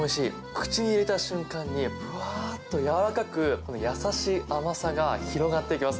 口に入れた瞬間にふわっとやわらかく優しい甘さが広がっていきます。